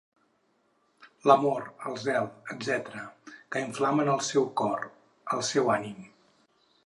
L'amor, el zel, etc., que inflamen el seu cor, el seu ànim.